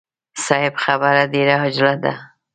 صيب خبره ډېره عاجله ده.